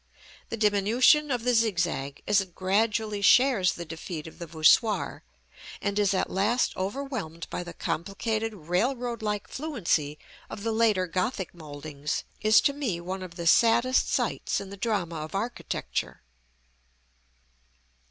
The diminution of the zigzag, as it gradually shares the defeat of the voussoir, and is at last overwhelmed by the complicated, railroad like fluency of the later Gothic mouldings, is to me one of the saddest sights in the drama of architecture.